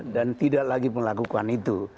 dan tidak lagi melakukan itu